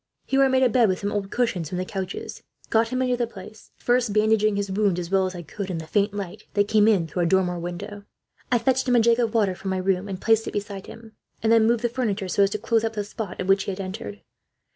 Here I made a bed, with some old cushions from the couches; got him into the place, first bandaging his wounds, as well as I could in the faint light that came in through a dormer window. I fetched a jug of water from my room, and placed it beside him; and then moved the furniture, so as to close up the spot at which he had entered.